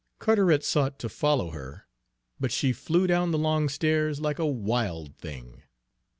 Carteret sought to follow her, but she flew down the long stairs like a wild thing.